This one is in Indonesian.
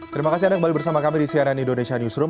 terima kasih anda kembali bersama kami di cnn indonesia newsroom